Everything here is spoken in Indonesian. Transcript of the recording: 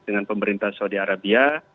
dengan pemerintah saudi arabia